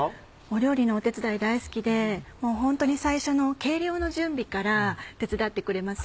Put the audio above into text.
お料理のお手伝い大好きでもうホントに最初の計量の準備から手伝ってくれます。